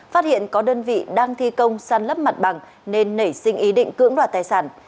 phát hiện có đơn vị đang thi công săn lấp mặt bằng nên nảy sinh ý định cưỡng đoạt tài sản